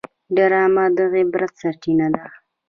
ډرامه د عبرت سرچینه ده